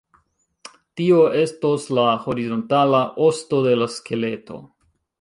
Tio estos la horizontala "osto" de la skeleto.